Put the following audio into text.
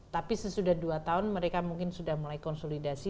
tapi sesudah dua tahun mereka mungkin sudah mulai konsolidasi